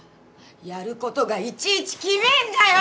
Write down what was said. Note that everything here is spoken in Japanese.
やることがいちいちキメえんだよ！